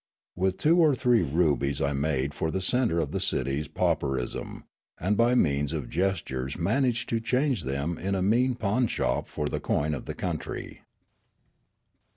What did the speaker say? With two or three rubies I made for the centre of the city's pauperism, and by means of gestures managed to change them in a mean pawnshop for the coin of the country.